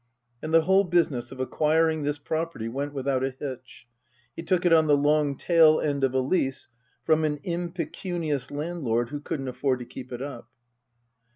And the whole business of acquiring this property went without a hitch. He took it on the long tail end of a lease from an im pecunious landlord who couldn't afford to keep it up.